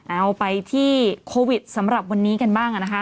เอาไปที่โควิดสำหรับวันนี้กันบ้างนะคะ